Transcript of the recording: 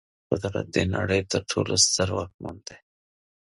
قدرت د نړۍ تر ټولو ستر واکمن دی.